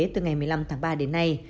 từ ngày một mươi năm tháng ba đến nay